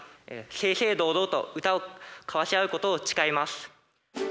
正々堂々と歌を交わし合うことを誓います。